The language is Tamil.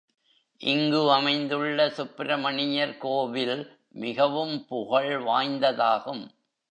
இங்கு அமைந்துள்ள சுப்பிரமணியர் கோவில் மிகவும் புகழ் வாய்ந்ததாகும்.